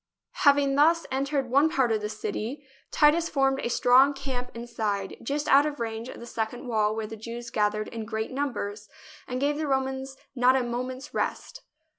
Having thus entered one part of the city, Titus [ 121 ] THE BOOK OF FAMOUS SIEGES formed a strong camp inside, just out of range of the second wall where the Jews gathered in great numbers, and gave the Romans not a moment's rest.